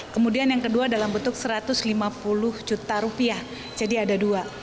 kemudian yang kedua dalam bentuk satu ratus lima puluh juta rupiah jadi ada dua